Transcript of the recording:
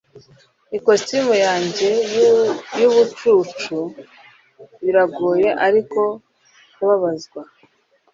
ikositimu yanjye yubucucu, biragoye ariko kubabazwa